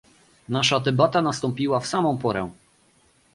Nasza debata nastąpiła w samą porę